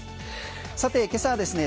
さて今朝はですね